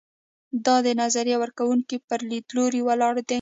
دا د نظریه ورکوونکو پر لیدلورو ولاړ دی.